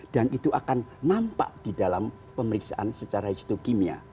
dan itu akan nampak di dalam pemeriksaan secara histokimia